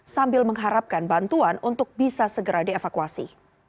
sambil mengharapkan bantuan untuk bisa segera dievakuasi